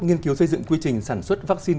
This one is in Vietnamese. nghiên cứu xây dựng quy trình sản xuất vaccine